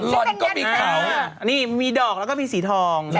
หล่อนก็มีเขาอันนี้มีดอกแล้วก็มีสีทองนะฮะ